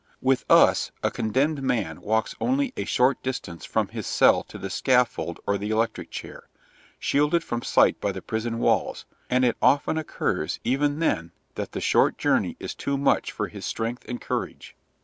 With us a condemned man walks only the short distance from his cell to the scaffold or the electric chair, shielded from sight by the prison walls, and it often occurs even then that the short journey is too much for his strength and courage.